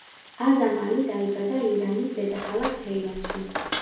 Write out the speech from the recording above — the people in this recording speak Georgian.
აზამ ალი დაიბადა ირანის დედაქალაქ თეირანში.